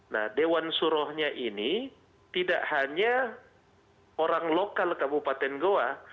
nah dewan surohnya ini tidak hanya orang lokal kabupaten goa